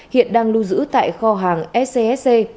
hiện đang lưu giữ tại kho hàng scsc